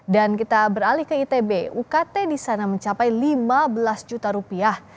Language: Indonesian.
dan kita beralih ke itb ukt di sana mencapai lima belas juta rupiah